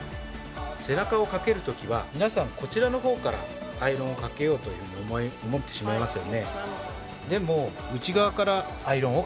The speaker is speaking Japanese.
背中をかけるときは皆さんこちらのほうからアイロンをかけようというふうに思ってしまいますよね。